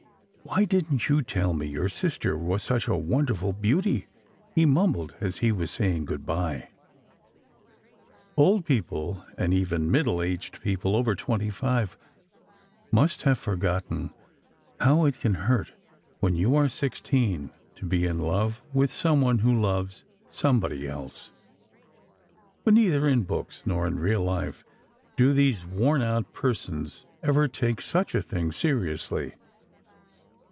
"Why didn t you tell me your sister was such a wonder ful beauty? " he mumbled as he was saying good bye. Old people, and even middle aged people over twenty five, must have forgotten how it can hurt when you are six SECRET HISTORY 39 teen to be in love with some one who loves somebody else; for neither in books nor in real life do these worn out persons ever take such a thing seriously.